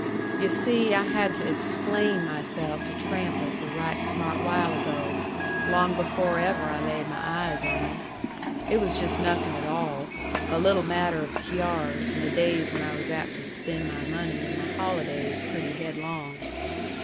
"Yu' see, I had to explain myself to Trampas a right smart while ago, long before ever I laid my eyes on yu'. It was just nothing at all. A little matter of cyards in the days when I was apt to spend my money and my holidays pretty headlong.